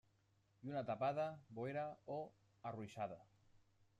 Lluna tapada, boira o arruixada.